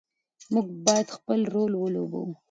موږ باید خپل رول ولوبوو.